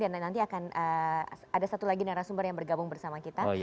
dan nanti akan ada satu lagi narasumber yang bergabung bersama kita